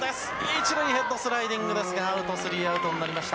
１塁、ヘッドスライディングですが、アウト、スリーアウトになりました。